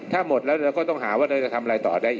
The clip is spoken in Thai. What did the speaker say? ถ้าหมดแล้วเราก็ต้องหาว่าเราจะทำอะไรต่อได้อีก